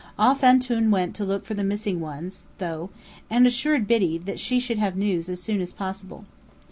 Off "Antoun" went to look for the missing ones though, and assured Biddy that she should have news as soon as possible.